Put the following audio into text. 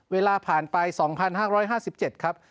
เวลาผ่านไป๒๕๕๗ครับ